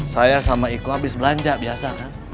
saya sama iko abis belanja biasa kan